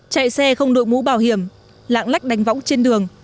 chạy xe không đội mũ bảo hiểm lạng lách đánh võng trên đường